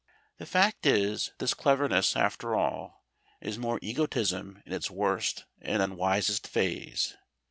The fact is this cleverness, after all, is merely egotism in its worst and unwisest phase.